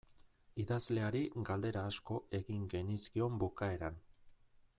Idazleari galdera asko egin genizkion bukaeran.